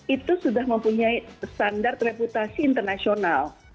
itu sudah mempunyai standar reputasi internasional